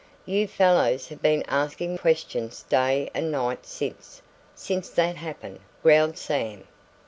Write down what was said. "You fellows have been asking questions day and night since since that happened," growled Sam.